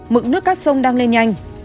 mực nước các sông đang lên nhanh